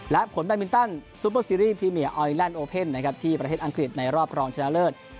และผลแบตมินตันซูเปอร์ซีรีส์พรีเมียออยแลนดโอเพ่นที่ประเทศอังกฤษในรอบรองชนะเลิศ